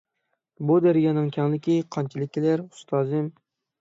بۇ دەريانىڭ كەڭلىكى قانچىلىك كېلەر، ئۇستازىم؟